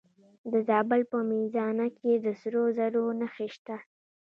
د زابل په میزانه کې د سرو زرو نښې شته.